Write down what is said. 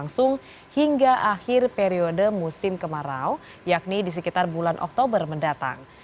langsung hingga akhir periode musim kemarau yakni di sekitar bulan oktober mendatang